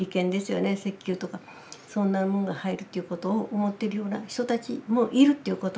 石油とかそんなものが入るということを思ってるような人たちもいるということ。